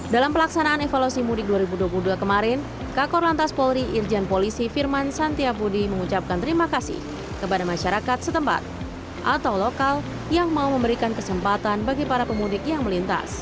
dalam pelaksanaan evaluasi mudik dua ribu dua puluh dua kemarin kakor lantas polri irjen polisi firman santiapudi mengucapkan terima kasih kepada masyarakat setempat atau lokal yang mau memberikan kesempatan bagi para pemudik yang melintas